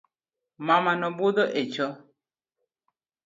Mamano budho echo